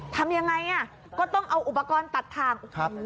ทำอย่างไรก็ต้องเอาอุปกรณ์ตัดทาง